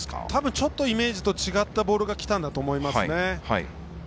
ちょっとイメージと違ったボールがきたんだと思いますね。